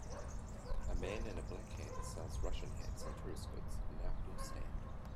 A man in a black hat sells Russian hats and tourist goods at an outdoor stand.